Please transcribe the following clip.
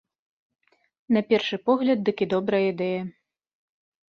На першы погляд дык і добрая ідэя.